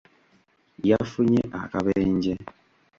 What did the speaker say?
Yafunye akabenje.